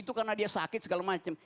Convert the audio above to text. itu karena dia sakit segala macam